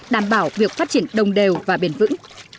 đảm bảo việc phát triển đồng đều và bền vững